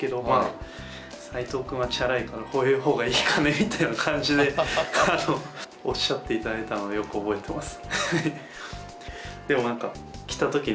みたいな感じでおっしゃっていただいたのをよく覚えてます。